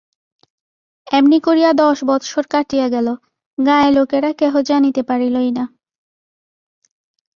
এমনি করিয়া দশ বৎসর কাটিয়া গেল, গাঁয়ের লোকেরা কেহ জানিতে পারিলই না।